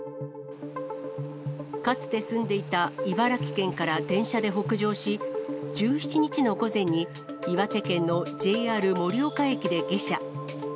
かつて住んでいた茨城県から電車で北上し、１７日の午前に、岩手県のＪＲ盛岡駅で下車。